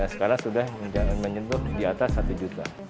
sekarang sudah menjelang menyentuh di atas rp satu juta